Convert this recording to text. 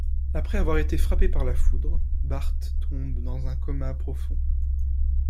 Après avoir été frappé par la foudre, Bart tombe dans un coma profond.